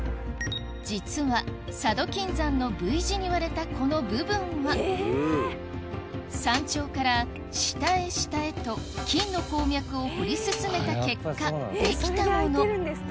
実は佐渡金山のＶ字に割れたこの部分は山頂から下へ下へと金の鉱脈を掘り進めた結果できたもの